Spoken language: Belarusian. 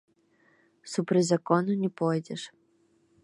Супраць закону не пойдзеш.